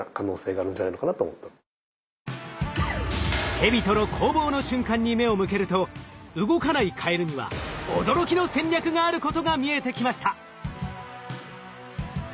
ヘビとの攻防の瞬間に目を向けると動かないカエルには驚きの戦略があることが見えてきました。